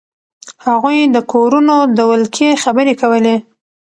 هغوی د کورونو د ولکې خبرې کولې.